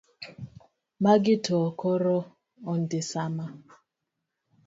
Magi to koro ondisama.